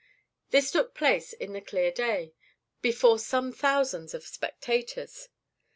This took place in the clear day, before some thousands of spectators.